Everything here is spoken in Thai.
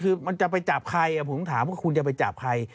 คือมันจะไปจับใครผมถามว่าคุณจะไปจับใคร